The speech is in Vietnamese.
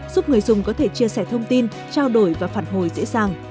giúp người dùng có thể chia sẻ thông tin trao đổi và phản hồi dễ dàng